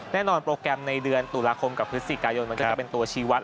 แน่นอนโปรแกรมในเดือนตุลาคมกับพฤศจิกายนมันก็จะเป็นตัวชีวัต